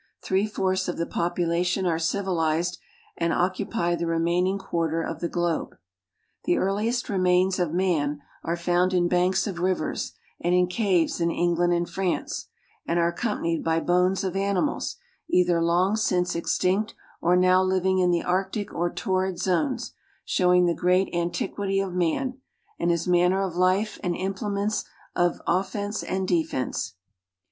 Three fourths of the population are civilized and occupy the remaining quarter of the globe. The earliest remains of man are found in banks of rivers and in caves in England and France, and are accompanied by bones of animals, either long since extinct or now living in the arctic or torrid zones, showing the great antiquity of man, and his manner of life and implements of offense and defense.